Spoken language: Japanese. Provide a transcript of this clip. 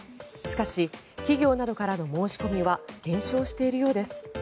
しかし、企業などからの申し込みは減少しているようです。